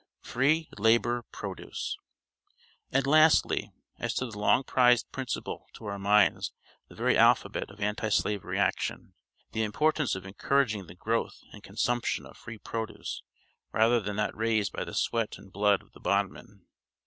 FREE LABOR PRODUCE. And lastly, as to the long prized principle, to our minds the very alphabet of Anti Slavery action, the importance of encouraging the growth and consumption of Free produce rather than that raised by the sweat and blood of the bondman.